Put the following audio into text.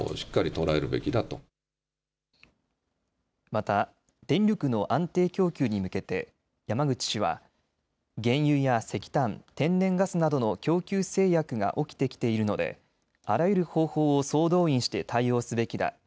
また、電力の安定供給に向けて山口氏は原油や石炭、天然ガスなどの供給制約が起きてきているのであらゆる方法を総動員して対応すべきだ。